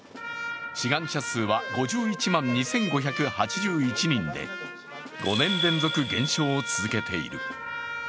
志願者数は５１万２５８１人で５年連続、減少を続けている。